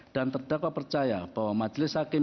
dan terdakwa percaya bahwa majelis hakim dan majelis hakim